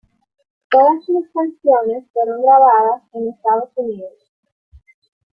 Todas las canciones fueron grabadas en Estados Unidos.